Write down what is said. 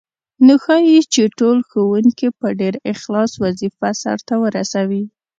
نو ښايي چې ټول ښوونکي په ډېر اخلاص وظیفه سرته ورسوي.